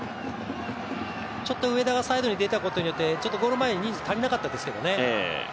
ちょっと上田がサイドに出たことによってゴール前、人数が足りなかったんですけどね。